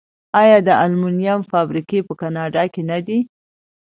آیا د المونیم فابریکې په کاناډا کې نه دي؟